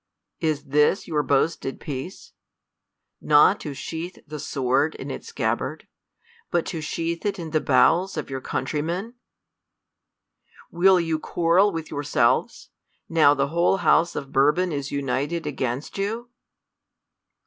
Is this your boasted peace ? Not to sheath the sword in its scab bard, but to sheath it in the bowels of your country men ? Will you quarrel with yourselves, now the whole house of Bourbon is united against you